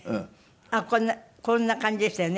あっこんな感じでしたよね。